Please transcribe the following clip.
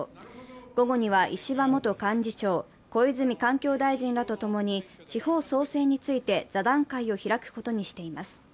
午後には石破元幹事長、小泉環境大臣らとともに地方創生について座談会を開くことにしています。